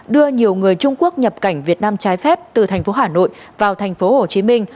đưa nhiều người trung quốc nhập cảnh việt nam trái phép từ thành phố hà nội vào thành phố hồ chí minh